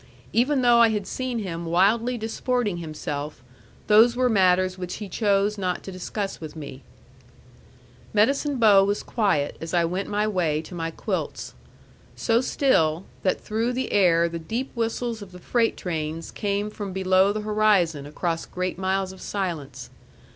Even though I had seen him wildly disporting himself, those were matters which he chose not to discuss with me. Medicine Bow was quiet as I went my way to my quilts. So still, that through the air the deep whistles of the freight trains came from below the horizon across great miles of silence.